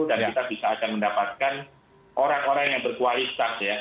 dan kita bisa akan mendapatkan orang orang yang berkualitas ya